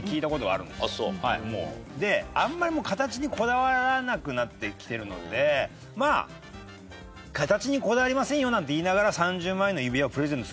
であんまり形にこだわらなくなってきてるのでまあ形にこだわりませんよなんて言いながら３０万円の指輪をプレゼントするってなかなかね。